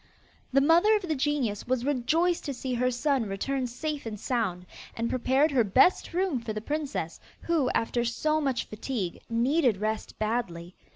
The mother of the genius was rejoiced to see her son return safe and sound, and prepared her best room for the princess, who, after so much fatigue, needed rest badly.